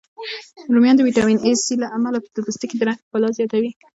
رومیان د ویټامین C، A، له امله د پوستکي د رنګ ښکلا زیاتوی